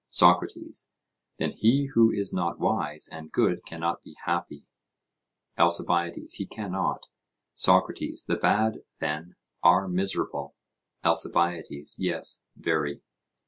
SOCRATES: Then he who is not wise and good cannot be happy? ALCIBIADES: He cannot. SOCRATES: The bad, then, are miserable? ALCIBIADES: Yes, very.